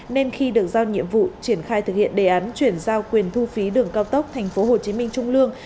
nên khi được giao nhiệm vụ triển khai thực hiện đề án chuyển giao quyền thu phí đường cao tốc tp hcm trung lương